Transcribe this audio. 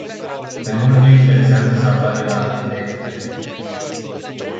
Pe mulți nu îi interesează să apară la te ve.